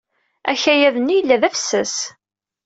Akayad-nni yella d afessas.